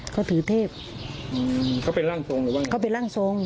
เขาถือเทพอืมเขาเป็นร่างทรงหรือว่าเขาเป็นร่างทรง